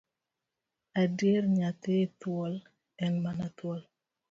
Adier nyathi thuol, en mana thuol.